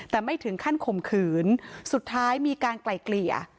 แต่ไม่ถึงขั้นข่มขืนสุดท้ายมีการไกล่เกลี่ย